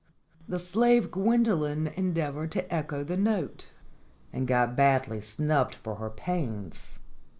The slave Gwendolen endeavored to echo the note, and got badly snubbed for her pains.